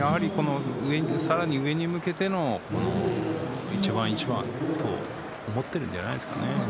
さらに上に向けての一番一番と思っているんじゃないですかね。